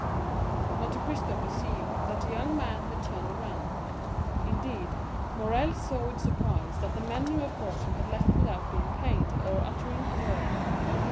Monte Cristo perceived that the young man had turned around; indeed, Morrel saw with surprise that the men who had brought him had left without being paid, or uttering a word.